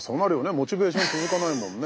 モチベーション続かないもんね。